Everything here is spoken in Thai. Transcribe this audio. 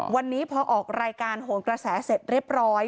วันนี้พอออกรายการโหนกระแสเสร็จเรียบร้อย